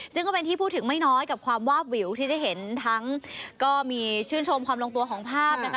ซึ่งก็เป็นที่พูดถึงไม่น้อยกับความวาบวิวที่ได้เห็นทั้งก็มีชื่นชมความลงตัวของภาพนะคะ